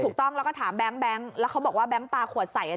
ถูกต้องแล้วก็ถามแบงค์แล้วเขาบอกว่าแบงค์ปลาขวดใส่